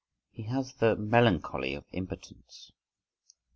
He has the melancholy of impotence.